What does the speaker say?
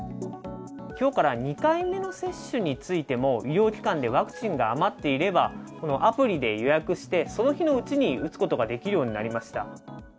きょうから２回目の接種についても、医療機関でワクチンが余っていれば、このアプリで予約して、その日のうちに打つことができるようになりました。